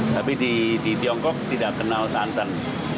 tapi di tiongkok tidak kenal santan